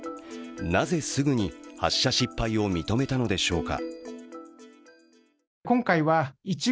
なぜすぐに発射失敗を認めたのでしょうか。